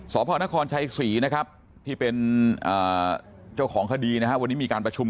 สพนครชัยศรีนะครับที่เป็นเจ้าของคดีนะฮะวันนี้มีการประชุม